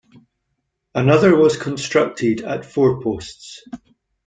Another was constructed at Fourposts.